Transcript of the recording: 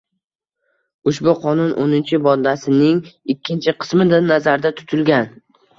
ushbu Qonun o'ninchi moddasining ikkinchi qismida nazarda tutilgan